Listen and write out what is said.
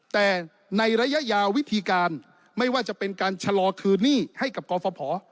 แต่ในระยะยาววิธีการไม่ว่าจะเป็นการชะลอคืนหนี้ให้กับกรฟภ